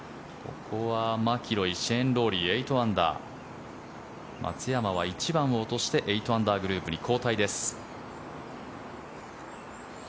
ここはマキロイシェーン・ロウリー、８アンダー松山は１番を落としてグループ後退です。